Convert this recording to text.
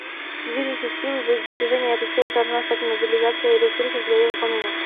Движущей силой для достижения этой цели должна стать мобилизация ресурсов для ее выполнения.